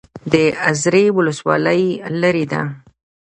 د ازرې ولسوالۍ لیرې ده